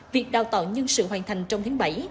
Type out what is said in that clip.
việc đào tạo nhân sự hoàn thành trong tháng bảy